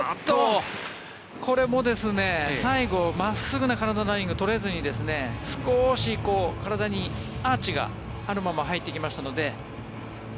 これも最後真っすぐな体のラインが取れずに少し体にアーチがあるまま入ってきましたので。